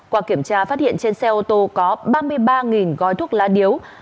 qua kiểm tra phát hiện trên xe ô tô có ba mươi ba gói thuốc lá điếu